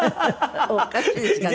おかしいですかね？